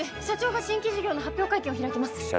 社長が新規事業の発表会見を開きます！